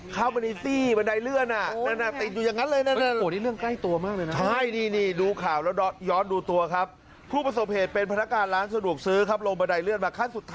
เข้าไปในซี่บันไดเลื่อนอ่ะ